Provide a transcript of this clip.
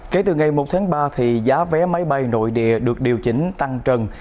kể từ ngày một tháng ba giá vé máy bay nội địa được điều chỉnh tăng trần